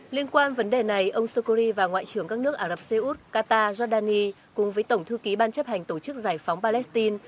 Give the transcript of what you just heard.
liên quan vấn đề này ông sokori và ngoại trưởng các nước ả rập xê út qatar jordani cùng với tổng thư ký ban chấp hành tổ chức giải phóng palestine